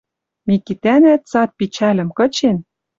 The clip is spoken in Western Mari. Микитӓнӓ, цат пичӓлӹм кычен